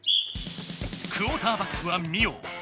クオーターバックはミオ。